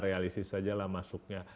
realisis saja lah masuknya